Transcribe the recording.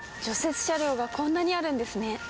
雪車両がこんなにあるんですね。